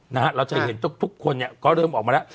เราจะเห็นทุกทุกคนเนี่ยก็เริ่มออกมาแล้ว